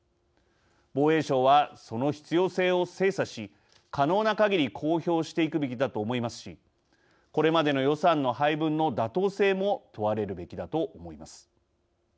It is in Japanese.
防衛省はその必要性を精査し可能なかぎり公表していくべきだと思いますしこれまでの予算の配分の妥当性も問われるべきだと思います。